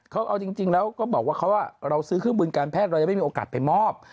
เขาเอาจริงแล้วก็บอกว่าเราซื้อเครื่องบินการแพทย์เรายังไม่มีโอกาสไปมอบ